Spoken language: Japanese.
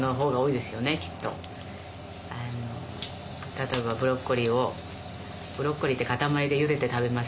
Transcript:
例えばブロッコリーをブロッコリーって固まりでゆでて食べますよね。